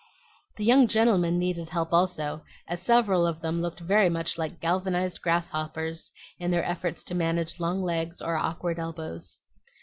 The young gentlemen needed help also, as several of them looked very much like galvanized grasshoppers in their efforts to manage long legs or awkward elbows.